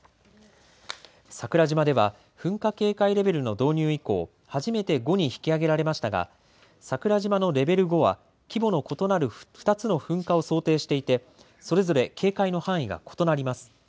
桜島では噴火警戒レベルの導入以降、初めて５に引き上げられましたが桜島のレベル５は、規模のことなる２つの噴火を想定していてそれぞれ警戒の範囲が異なります。